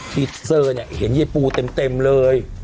ทีเซอร์เนี่ยเห็นยายปูเต็มเลย